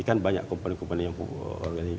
kan banyak komponen komponen yang pupuk organik